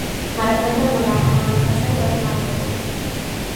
مرکه د ملا محمد حسن رحماني وه.